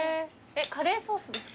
カレーソースですか？